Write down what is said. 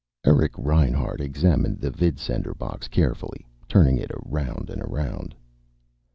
III Eric Reinhart examined the vidsender box carefully, turning it around and around.